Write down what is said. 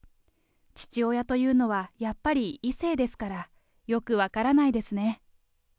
父親というのは、やっぱり異性ですから、よく分からないですね。